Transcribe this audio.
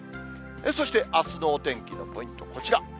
そして、あすのお天気のポイント、こちら。